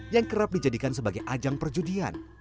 yang kerap dijadikan sebagai ajang perjudian